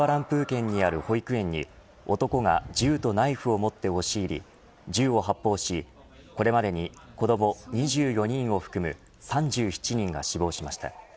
県にある保育園に男が銃とナイフを持って押し入り銃を発砲しこれまでに、子ども２４人を含む３７人が死亡しました。